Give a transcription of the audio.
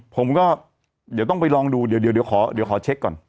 ผมก็เดี๋ยวต้องไปลองดูเดี๋ยวเดี๋ยวเดี๋ยวขอเดี๋ยวขอเช็คก่อน